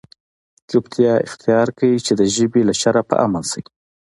چوپتیا اختیار کړئ! چي د ژبي له شره په امن سئ.